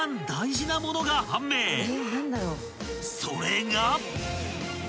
［それが］